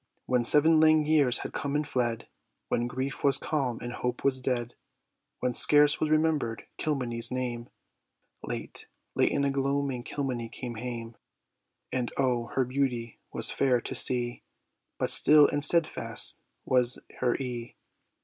When seven lang years had come and fled, When grief was calm and hope was dead; When scarce was remembered Kilmeny's name, Late, late in a gloaming Kilmeny came hame! And O, her beauty was fair to see, But still and steadfast was her ee!